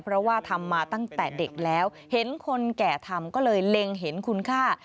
เพราะว่าทำมาตั้งแต่เด็กแล้วเห็นคนแก่ทำก็เลยเล็งเห็นคุณค่า